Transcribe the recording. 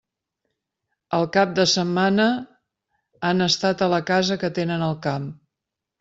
El cap de setmana han estat a la casa que tenen al camp.